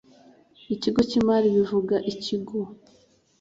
ikigo cy imari bivuga ikigo